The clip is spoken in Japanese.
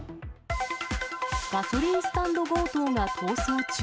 ガソリンスタンド強盗が逃走中。